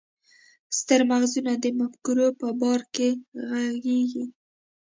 ستر مغزونه د مفکورو په باره کې ږغيږي.